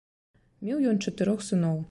Меў ён чатырох сыноў.